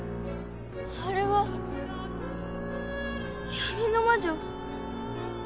あれは闇の魔女。